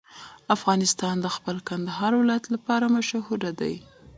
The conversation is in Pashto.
افغانستان د خپل کندهار ولایت لپاره مشهور دی.